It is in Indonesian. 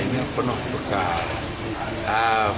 ini penuh bekal